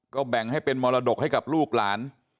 ก็แบ่งให้เป็นมรดกให้กับลูกหลาน